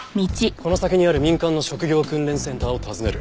この先にある民間の職業訓練センターを訪ねる。